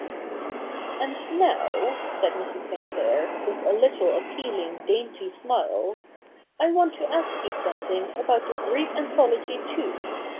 ' And now,' said Mrs. Sinclair, with a little appealing dainty smile, ' I want to ask you something about the Greek Anthology too.